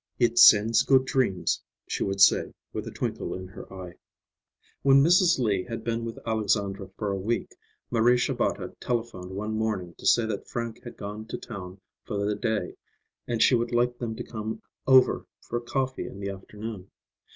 "It sends good dreams," she would say with a twinkle in her eye. When Mrs. Lee had been with Alexandra for a week, Marie Shabata telephoned one morning to say that Frank had gone to town for the day, and she would like them to come over for coffee in the afternoon.